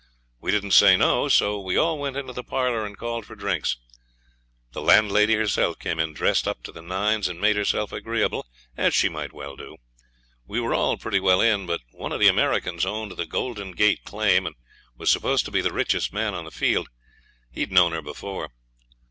We didn't say no, so we all went into the parlour and called for drinks. The landlady herself came in, dressed up to the nines, and made herself agreeable, as she might well do. We were all pretty well in, but one of the Americans owned the Golden Gate claim, and was supposed to be the richest man on the field. He'd known her before.